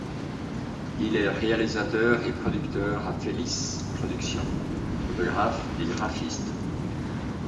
Il est réalisateur et producteur à Félis Productions, photographe, et graphiste.